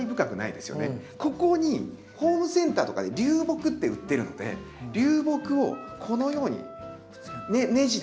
ここにホームセンターとかで流木って売ってるので流木をこのようにネジでつけて。